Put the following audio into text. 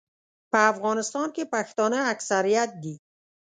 په افغانستان کې پښتانه اکثریت دي.